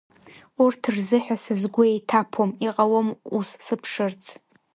Урҭ рзыҳәа са сгәы еиҭаԥом иҟалом ус сыԥшырц.